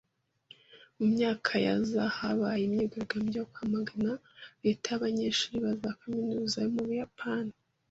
Mu myaka ya za , habaye imyigaragambyo yo kwamagana leta y’abanyeshuri ba kaminuza yo mu Buyapani.